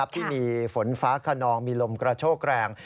ที่มีฝนฟ้าขนองมีลมกระโชกแรง